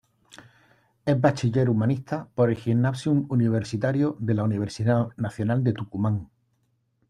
Es bachiller humanista por el Gymnasium Universitario de la Universidad Nacional de Tucumán.